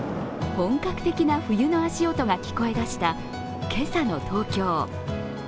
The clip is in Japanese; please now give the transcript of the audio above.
本格的な冬の足音が聞こえだした今朝の東京。